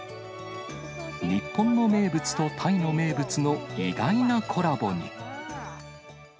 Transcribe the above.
日本の名物とタイの名物の意外なコラボに。